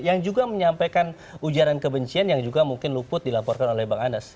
yang juga menyampaikan ujaran kebencian yang juga mungkin luput dilaporkan oleh bang anas